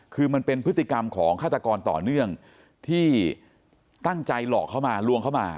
คือมันเป็นพฤติกรรมของฆาตกรต่อเนื่องที่ตั้งใจหลอกเขามาลวงเข้ามา